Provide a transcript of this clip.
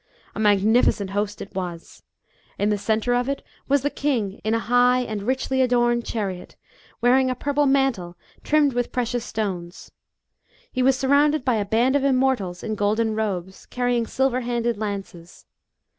A magnificent host it was. In the centre of it was the king in a high and richly adorned chariot, wealing a purple mantle trimmed with precious stones. He was surrounded by a band of Immortals, in golden robes, carrying silver handled lances.